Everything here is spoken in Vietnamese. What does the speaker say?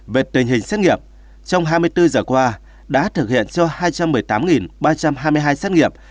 về tình hình xét nghiệm trong hai mươi bốn giờ qua đã thực hiện cho hai trăm một mươi tám ba trăm hai mươi hai xét nghiệm